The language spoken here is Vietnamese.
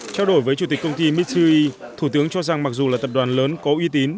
trao đổi với chủ tịch công ty mitsui thủ tướng cho rằng mặc dù là tập đoàn lớn có uy tín